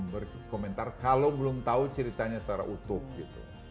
berkomentar kalau belum tahu ceritanya secara utuh gitu